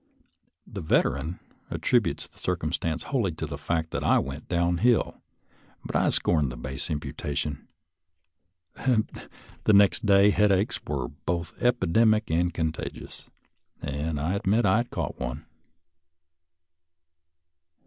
The Veteran attributes the circumstance wholly to the fact that I went down hill, but I scorn the base imputation. The next day head aches were both epidemic and contagious, and I admit that I caught one.